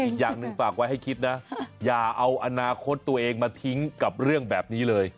อีกอย่างหนึ่งฝากไว้ให้คิดนะอย่าเอาอนาคตตัวเองมาทิ้งกับเรื่องแบบนี้เลย